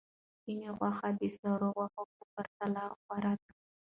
سپینې غوښې د سرو غوښو په پرتله غوره دي.